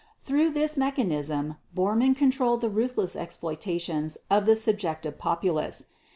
Through this mechanism Bormann controlled the ruthless exploitations of the subjected populace.